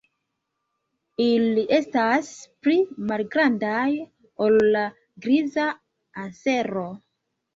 Ili estas pli malgrandaj ol la Griza ansero.